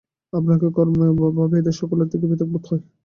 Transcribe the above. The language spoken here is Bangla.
আপনাকেও কর্মে এবং ভাবে এঁদের সকলের থেকে পৃথক বোধ হয়।